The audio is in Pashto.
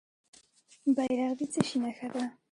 بیرغ د څه شي نښه ده؟